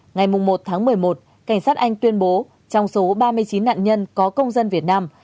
ngày một tháng một mươi một cảnh sát anh tuyên bố trong số ba mươi chín nạn nhân có công dân việt nam